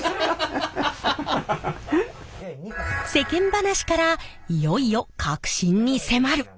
世間話からいよいよ核心に迫る！